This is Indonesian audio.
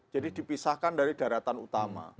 jadi dipisahkan dari daratan utama